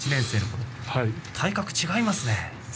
体格が違いますね。